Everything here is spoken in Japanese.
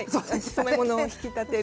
染め物を引き立てる。